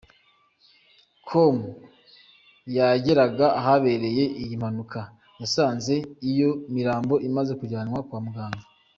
com yageraga ahabereye iyi mpanuka, yasanze iyo mirambo imaze kujyanywa kwa muganga.